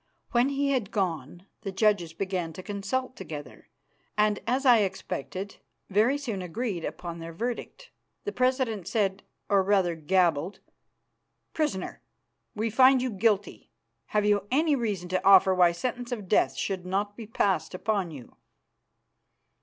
When he had gone the judges began to consult together, and, as I expected, very soon agreed upon their verdict. The president said, or rather gabbled, "Prisoner, we find you guilty. Have you any reason to offer why sentence of death should not be passed upon you?"